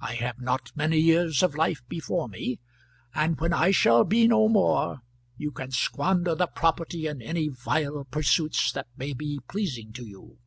I have not many years of life before me, and when I shall be no more, you can squander the property in any vile pursuits that may be pleasing to you.